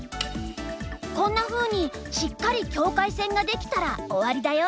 こんなふうにしっかり境界線ができたら終わりだよ。